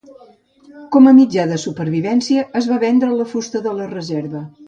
Com a mitjà de supervivència es va vendre la fusta de la reserva.